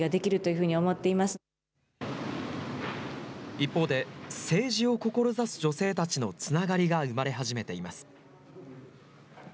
一方で政治を志す女性たちのつながりが生まれ始めています。